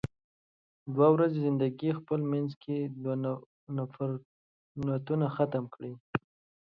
دوه ورځې زندګی ده، خپل مينځ کې نفرتونه ختم کې.